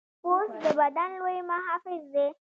پوست د بدن لوی محافظ دی.